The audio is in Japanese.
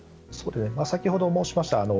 先ほど申しました